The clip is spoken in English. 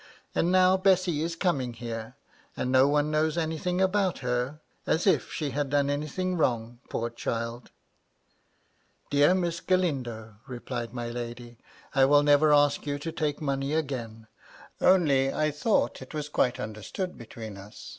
And now Bessy is coming here ; and no one knows anything about her — as if she had done anything wrong, poor child !" "Dear Miss GaJindo," replied my lady, "I will never ask you to take money again. Only I thought it was quite understood between us.